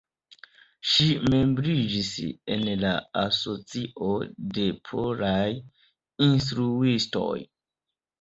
Ŝi membriĝis en la Asocio de Polaj Instruistoj.